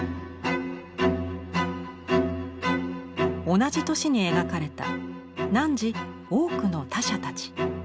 同じ年に描かれた「汝、多くの他者たち」。